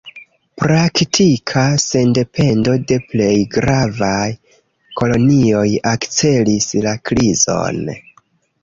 Praktika sendependo de plej gravaj kolonioj akcelis la krizon.